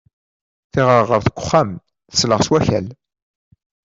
Tiɣerɣert n uxxam tesleɣ s wakal.